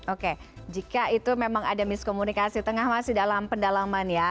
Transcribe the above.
oke jika itu memang ada miskomunikasi tengah masih dalam pendalaman ya